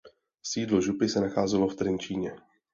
Sídlo župy se nacházelo v Trenčíně.